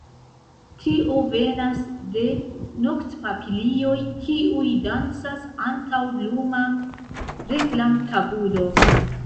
Tio venas de noktpapilioj, kiuj dancas antaŭ luma reklamtabulo.